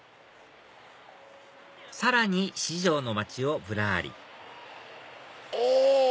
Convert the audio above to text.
さらに四条の街をぶらりお！